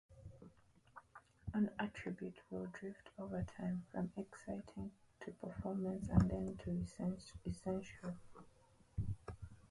An attribute will drift over time from Exciting to performance and then to essential.